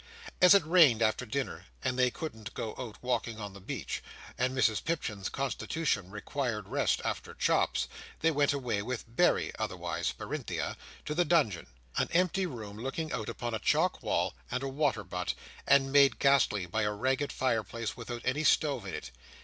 As it rained after dinner, and they couldn't go out walking on the beach, and Mrs Pipchin's constitution required rest after chops, they went away with Berry (otherwise Berinthia) to the Dungeon; an empty room looking out upon a chalk wall and a water butt, and made ghastly by a ragged fireplace without any stove in it.